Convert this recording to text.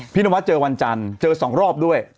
นวัดเจอวันจันทร์เจอ๒รอบด้วย